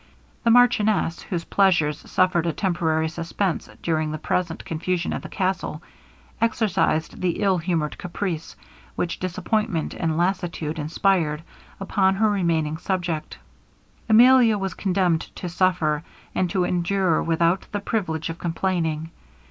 The marchioness, whose pleasures suffered a temporary suspense during the present confusion at the castle, exercised the ill humoured caprice, which disappointment and lassitude inspired, upon her remaining subject. Emilia was condemned to suffer, and to endure without the privilege of complaining.